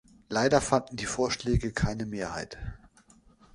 Leider fanden diese Vorschläge keine Mehrheit.